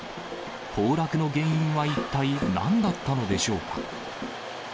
崩落の原因は一体なんだったのでしょうか。